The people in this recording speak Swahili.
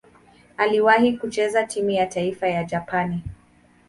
Aliwahi kucheza timu ya taifa ya Japani.